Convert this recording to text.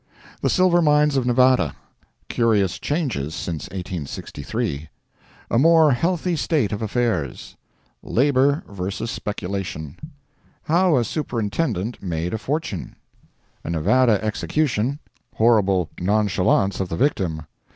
The Silver Mines of Nevada—Curious Changes Since 1863. A More Healthy State of Affairs—Labor vs. Speculation. How a Superintendent made a Fortune. A Nevada Execution—Horrible Nonchalance of the Victim.